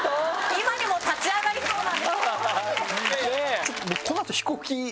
今にも立ち上がりそうな。